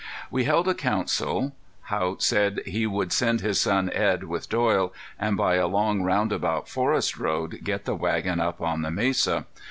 We held a council. Haught said he would send his son Edd with Doyle, and by a long roundabout forest road get the wagon up on the mesa.